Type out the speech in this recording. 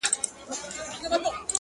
څنگه دي زړه څخه بهر وباسم؛